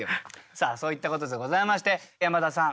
さあそういったことでございまして山田さん